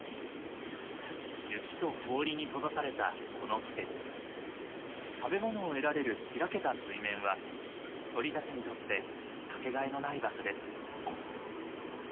雪と氷に閉ざされたこの季節食べ物を得られる開けた水面は鳥たちにとってかけがえのない場所です。